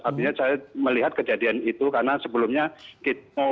artinya saya melihat kejadian itu karena sebelumnya kita